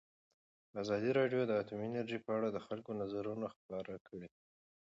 ازادي راډیو د اټومي انرژي په اړه د خلکو نظرونه خپاره کړي.